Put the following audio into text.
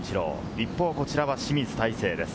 一方、こちらは清水大成です。